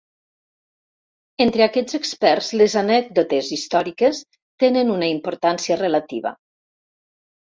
Entre aquests experts les anècdotes històriques tenen una importància relativa.